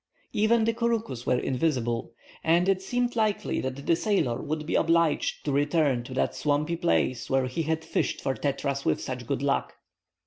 Even the couroucous were invisible, and it seemed likely that the sailor would be obliged to return to that swampy place where he had fished for tetras with such good luck.